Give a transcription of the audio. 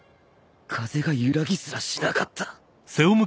風が揺らぎすらしなかった